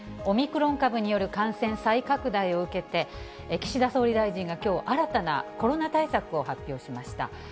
オミクロン株による感染再拡大を受けて、岸田総理大臣がきょう、新たなコロナ対策を発表しました。